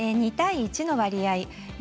２対１の割合